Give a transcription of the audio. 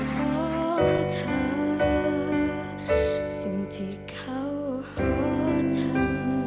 ของเธอสิ่งที่เขาขอทำ